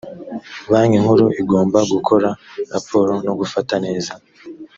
banki nkuru igomba gukora raporo no gufata neza